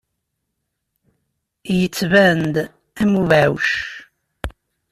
Yettban-d am ubeɛɛuc.